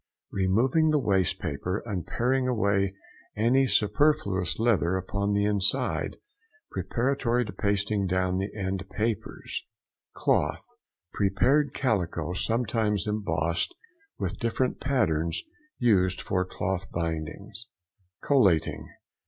—Removing the waste paper, and paring away any superfluous leather upon the inside, preparatory to pasting down the end papers. CLOTH.—Prepared calico, sometimes embossed with different patterns, used for cloth bindings. COLLATING.